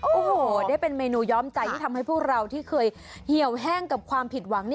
โอ้โหได้เป็นเมนูย้อมใจที่ทำให้พวกเราที่เคยเหี่ยวแห้งกับความผิดหวัง